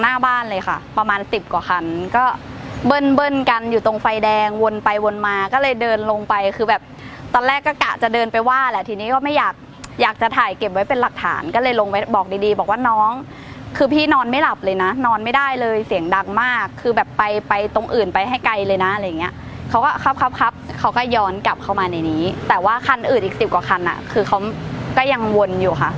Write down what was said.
หน้าบ้านเลยค่ะประมาณสิบกว่าคันก็เบิ้ลเบิ้ลกันอยู่ตรงไฟแดงวนไปวนมาก็เลยเดินลงไปคือแบบตอนแรกก็กะจะเดินไปว่าแหละทีนี้ก็ไม่อยากอยากจะถ่ายเก็บไว้เป็นหลักฐานก็เลยลงไปบอกดีดีบอกว่าน้องคือพี่นอนไม่หลับเลยนะนอนไม่ได้เลยเสียงดังมากคือแบบไปไปตรงอื่นไปให้ไกลเลยนะอะไรอย่างเงี้ยเขาก็ครับครับครับเขาก็ย้อน